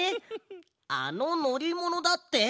あののりものだって。